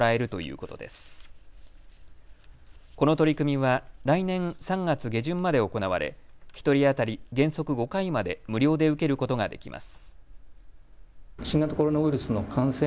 この取り組みは来年３月下旬まで行われ１人当たり原則５回まで無料で受けることができます。